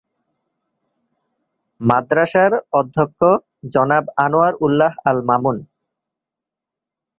মাদ্রাসার অধ্যক্ষ জনাব আনোয়ার উল্লাহ আল মামুন।